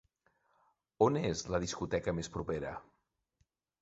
On és la discoteca més propera?